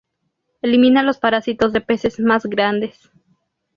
Elimina los parásitos de peces más grandes.